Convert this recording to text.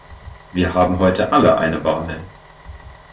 Wir haben heute alle eine Wahl.